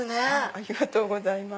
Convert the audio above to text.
ありがとうございます。